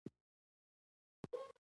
آیا د کاناډا فضایی اداره فعاله نه ده؟